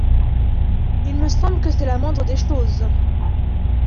Il me semble que c’est la moindre des choses.